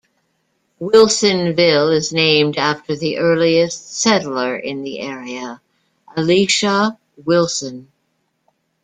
Wilsonville is named after the earliest settler in the area, Elisha Wilson.